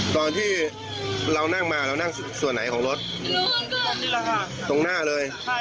ตอนที่เรานั่งมาเรานั่งส่วนไหนของรถนี่แหละค่ะตรงหน้าเลย